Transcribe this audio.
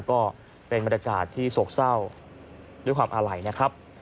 ก็เป็นบรรยากาศที่โศกเศร้าด้วยความอาลัยนะครับ